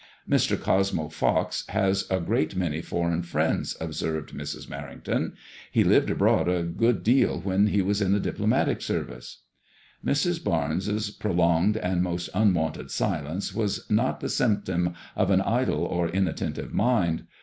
"Mr. Cosmo Pox has a great many foreign friends/' observed Mrs. Merrington ;" he lived abroad a good deal when he was in the diplomatic service." Mrs. Barnes' prolonged and most unwonted silence was not the symptom of an idle or in attentive mind.